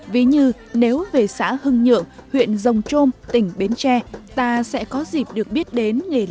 ví như nếu về xã hưng nhượng huyện rồng trôm tỉnh bến tre